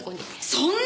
そんな！